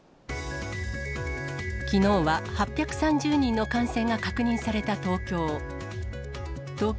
きのうは８３０人の感染が確認された東京。